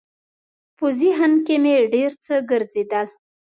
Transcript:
په ذهن کې مې ډېر څه ګرځېدل.